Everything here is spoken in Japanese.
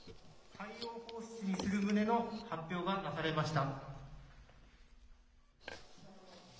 海洋放出にする旨の発表がなされました。